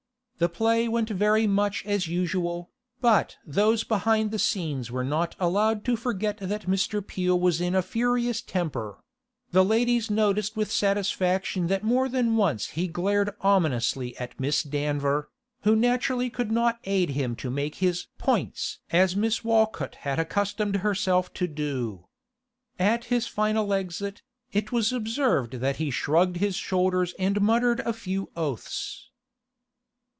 The play went very much as usual, but those behind the scenes were not allowed to forget that Mr. Peel was in a furious temper: the ladies noticed with satisfaction that more than once he glared ominously at Miss Danver, who naturally could not aid him to make his 'points' as Miss Walcott had accustomed herself to do. At his final exit, it was observed that he shrugged his shoulders and muttered a few oaths.